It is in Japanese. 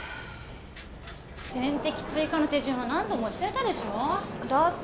点滴追加の手順は何度も教えたでしょ？だって。